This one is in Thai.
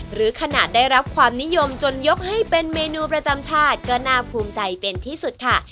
หรือขนาดได้รับความนิยมจนยกให้เป็นเมนูประจำชาติก็น่าภูมิใจเป็นที่สุดค่ะ